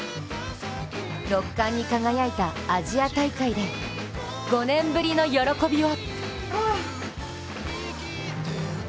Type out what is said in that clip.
６冠に輝いたアジア大会で５年ぶりの喜びを。